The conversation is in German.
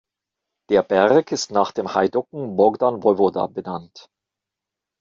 Der Berg ist nach dem Heiducken Bogdan Wojwoda benannt.